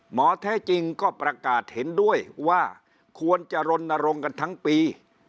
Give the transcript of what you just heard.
หมอแท้จริงก็ประกาศเห็นด้วยว่าควรจะรณรงค์กันทั้งปี